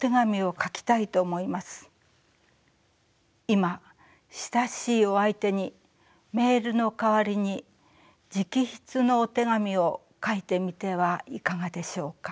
今親しいお相手にメールの代わりに直筆のお手紙を書いてみてはいかがでしょうか。